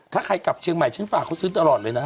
ถ้าใครกลับเชียงใหม่ฉันฝากเขาซื้อตลอดเลยนะฮะ